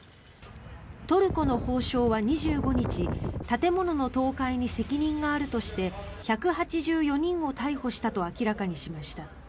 トルコの法相は２５日建物の倒壊に責任があるとして１８４人を逮捕したと明らかにしました。